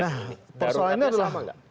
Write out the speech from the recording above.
nah persoalannya adalah